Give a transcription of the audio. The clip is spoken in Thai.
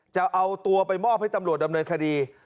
จะเอาตัวไปมอบให้ตำรวจดำเนินคดี